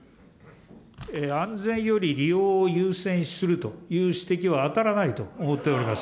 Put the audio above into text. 安全より利用を優先するという指摘は当たらないと思っています。